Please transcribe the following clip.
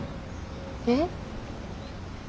えっ？